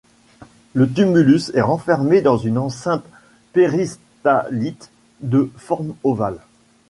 Le tumulus est renfermé dans une enceinte péristalithe de forme ovale.